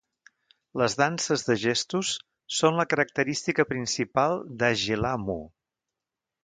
Les danses de gestos són la característica principal d'Ajilamu.